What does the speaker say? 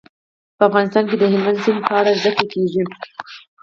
په افغانستان کې د هلمند سیند په اړه زده کړه کېږي.